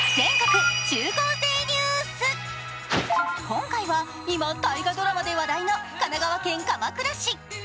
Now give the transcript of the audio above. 今回は今、大河ドラマで話題の神奈川県鎌倉市。